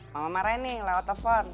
mama marah ini lah otofon